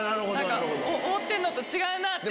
思ってるのと違うなぁって。